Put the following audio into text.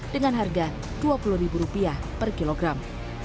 dengan harga rp dua puluh per kilogram